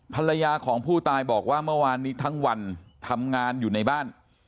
ภรรยาของผู้ตายบอกว่าเมื่อวานนี้ทั้งวันทำงานอยู่ในบ้าน